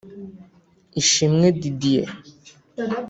Ishimwe Didier